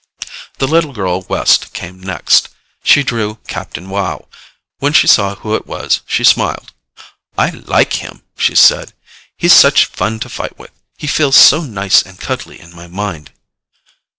The little girl West came next. She drew Captain Wow. When she saw who it was, she smiled. "I like him," she said. "He's such fun to fight with. He feels so nice and cuddly in my mind."